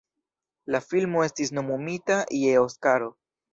La filmo estis nomumita je Oskaro.